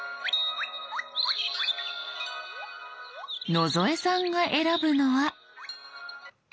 野添さんが選ぶのは。」）